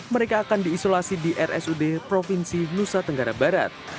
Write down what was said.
mereka akan diisolasi di rsud provinsi nusa tenggara barat